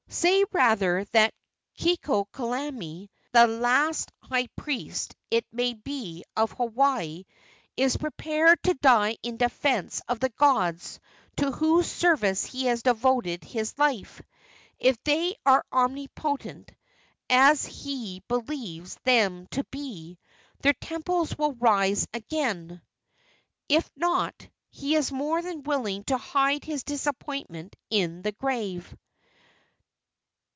"Say, rather, that Kekuaokalani, the last high priest, it may be, of Hawaii, is prepared to die in defence of the gods to whose service he has devoted his life. If they are omnipotent, as he believes them to be, their temples will rise again; if not, he is more than willing to hide his disappointment in the grave!"